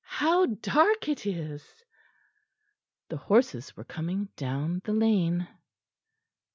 "How dark it is!" The horses were coming down the lane.